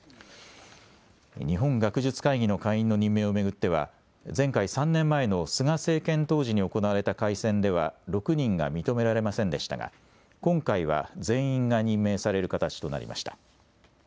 日本学術会議の会員の任命を巡っては、前回・３年前の菅政権当時に行われた改選では、６人が認められませんでしたが、今回は全員が任命される形となりました。